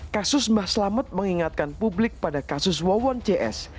kasus mbah selamet mengingatkan publik pada kasus wawon cs